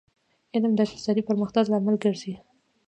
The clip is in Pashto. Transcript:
علم د اقتصادي پرمختګ لامل ګرځي